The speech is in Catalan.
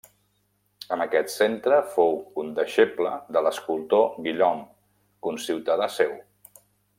En aquest centre fou condeixeble de l'escultor Guillaume, conciutadà seu.